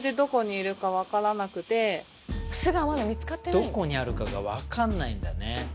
どこにあるかが分かんないんだね